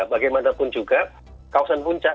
bagaimanapun juga kawasan puncak